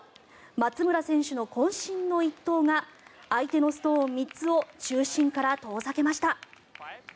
松村選手のこん身の一投が相手のストーン３つを中心から遠ざけました。